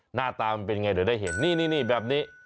หน้าตามันเป็นไงเดี๋ยวได้เห็นนี่แบบนี้